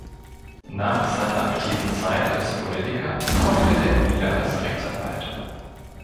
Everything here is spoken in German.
Nach seiner aktiven Zeit als Politiker arbeitete er wieder als Rechtsanwalt.